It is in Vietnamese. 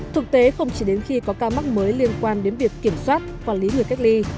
thực tế không chỉ đến khi có ca mắc mới liên quan đến việc kiểm soát quản lý người cách ly